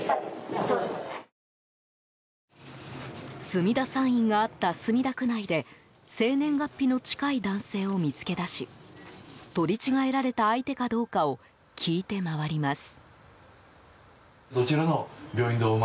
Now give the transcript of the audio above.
墨田産院があった墨田区内で生年月日の近い男性を見つけ出し取り違えられた相手かどうかを聞いて回ります。